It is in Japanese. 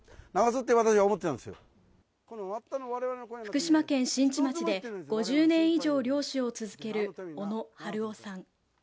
福島県新地町で５０年以上漁師を続ける小野春雄さん